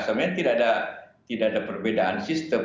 sebenarnya tidak ada perbedaan sistem